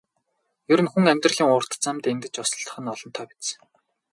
Ер нь хүн амьдралын урт замд эндэж осолдох нь олонтоо биз.